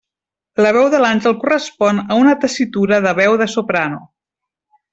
La veu de l'àngel correspon a una tessitura de veu de soprano.